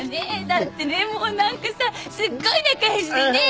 だってねもう何かさすっごい仲良しでね。